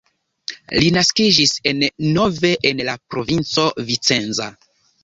Li naskiĝis en Nove en la provinco Vicenza.